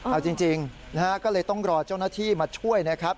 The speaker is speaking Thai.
เอาจริงนะฮะก็เลยต้องรอเจ้าหน้าที่มาช่วยนะครับ